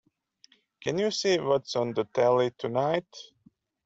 Can you see what's on the telly tonight?